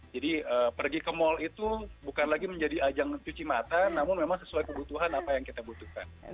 jadi pergi ke mall itu bukan lagi menjadi ajang cuci mata namun memang sesuai kebutuhan apa yang kita butuhkan